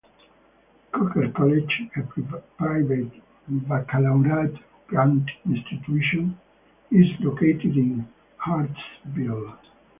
Coker College, a private, baccalaureate-granting institution, is located in Hartsville.